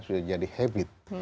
sudah jadi habit